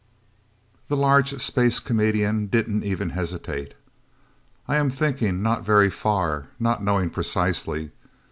The large space comedian didn't even hesitate. "I am thinking not very far not knowing precisely.